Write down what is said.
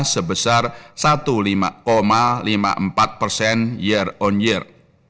sebesar satu lima lima puluh empat persen year on year